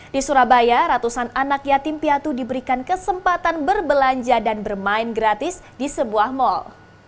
di surabaya ratusan anak yatim piatu diberikan kesempatan berbelanja dan bermain gratis di sebuah mal